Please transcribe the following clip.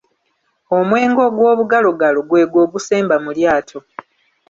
Omwenge ogwobugalogalo gwegwo ogusemba mu lyato.